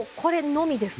のみです。